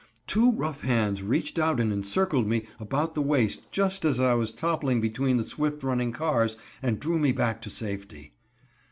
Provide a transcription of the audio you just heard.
Two rough hands reached out and encircled me about the waist just as I was toppling between the swift running cars, and drew me back to safety.